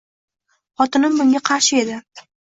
Xotinim bunga qarshi edi